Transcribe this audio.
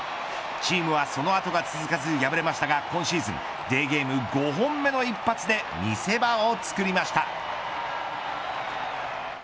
チームはその後が続かず敗れましたが今シーズンデーゲーム５本目の一発で見せ場を作りました。